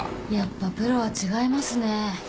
やっぱプロは違いますね。